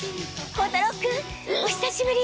孝太郎君お久しぶり。